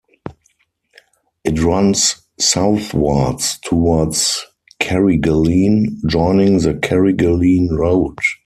It runs southwards towards Carrigaline, joining the "Carrigaline Road".